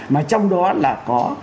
mà trong đó là có